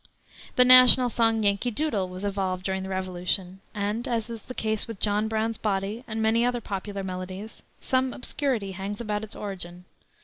The national song Yankee Doodle was evolved during the Revolution, and, as is the case with John Brown's Body and many other popular melodies, some obscurity hangs about its origin.